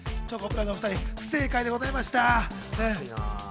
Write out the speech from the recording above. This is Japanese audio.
チョコプラのお２人、不正解でございました。